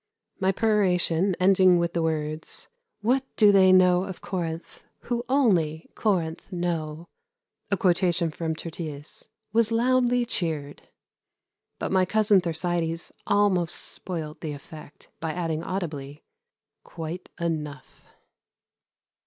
My peroration, ending with the words: "What do they know of Corinth who only Corinth know?" (a quotation from Tyrtæus) was loudly cheered. But my cousin Thersites almost spoilt the effect by adding audibly, "Quite enough."